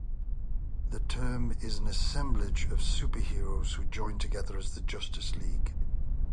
The team is an assemblage of superheroes who join together as the Justice League.